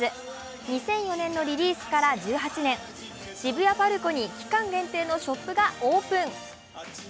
２００４年のリリースから１８年、渋谷パルコに期間限定のショップがオープン。